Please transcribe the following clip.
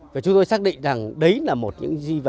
và chúng tôi xác định rằng đấy là một những di vật